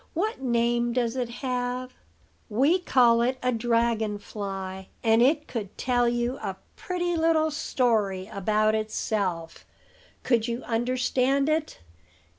What name does it have?" "We call it a dragon fly; and it could tell you a pretty little story about itself, could you understand it.